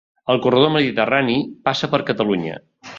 El corredor mediterrani passa per Catalunya